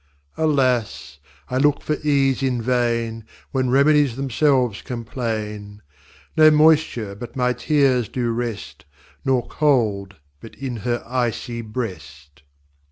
Alas! I look for Ease in vain, When Remedies themselves complain. No moisture but my Tears do rest, Nor Cold but in her Icy Breast.